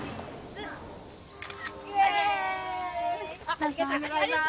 ありがとうございます！